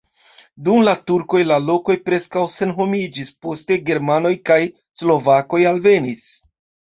Dum la turkoj la lokoj preskaŭ senhomiĝis, poste germanoj kaj slovakoj alvenis.